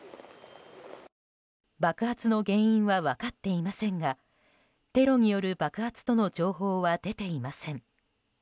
爆発の原因は分かっていませんがテロによる爆発との情報は出ていません。